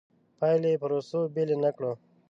پایلې پروسو بېلې نه کړو.